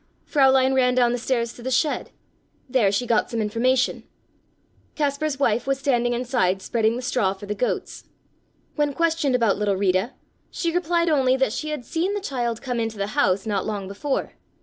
Fräulein ran down the stairs to the shed; there she got some information. Kaspar's wife was standing inside spreading the straw for the goats. When questioned about little Rita, she replied only that she had seen the child come into the house not long before.